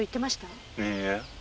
いいえ。